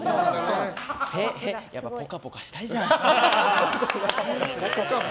やっぱぽかぽかしたいじゃん。